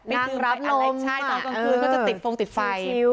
นั่งรับอะไรใช่ตอนกลางคืนก็จะติดฟงติดไฟ